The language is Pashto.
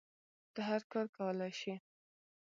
ته هر کار کولی شی